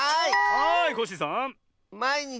はいコッシーさん。